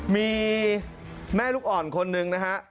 มีแม่ลูกอ่อนคนหนึ่งนะฮะ